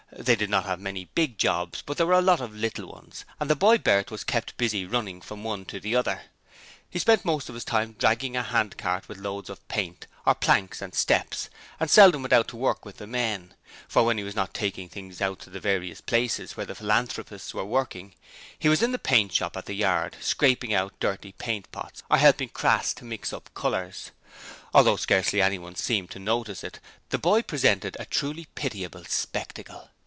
They did not have many big jobs, but there were a lot of little ones, and the boy Bert was kept busy running from one to the other. He spent most of his time dragging a handcart with loads of paint, or planks and steps, and seldom went out to work with the men, for when he was not taking things out to the various places where the philanthropists were working, he was in the paintshop at the yard, scraping out dirty paint pots or helping Crass to mix up colours. Although scarcely anyone seemed to notice it, the boy presented a truly pitiable spectacle.